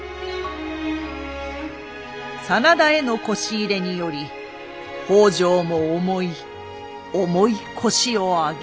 真田へのこし入れにより北条も重い重い腰を上げ。